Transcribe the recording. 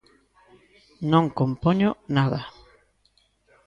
Non compoño nada.